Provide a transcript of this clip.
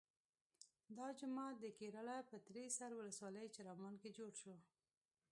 دا جومات د کیراله په تریسر ولسوالۍ چرامان کې جوړ شو.